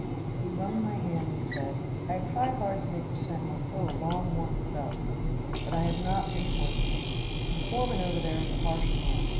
He wrung my hand and said: "I have tried hard to make the Sentinel fill a long want felt, but I have not been fortunate. The foreman over there is a harsh man.